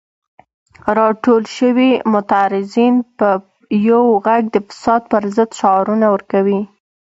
راټول شوي معترضین په یو غږ د فساد پر ضد شعارونه ورکوي.